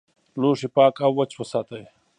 لوښي پاک او وچ وساتئ.